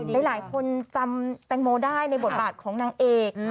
หลายคนจำแตงโมได้ในบทบาทของนางเอก